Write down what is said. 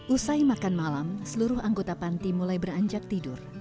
usai makan malam seluruh anggota panti mulai beranjak tidur